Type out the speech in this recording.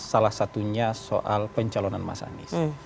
salah satunya soal pencalonan mas anies